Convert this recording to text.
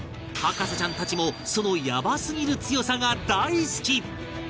博士ちゃんたちもそのやばすぎる強さが大好き